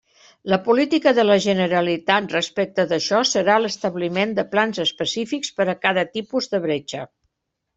La política de la Generalitat respecte d'això serà l'establiment de plans específics per a cada tipus de bretxa.